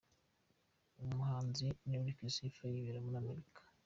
Umuhanzi Enric Sifa yibera muri Amerika.